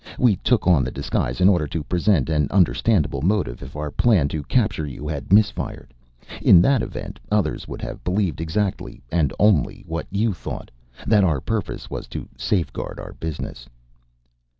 We took on the disguise in order to present an understandable motive if our plan to capture you had misfired. In that event, others would have believed exactly and only what you thought: that our purpose was to safeguard our business."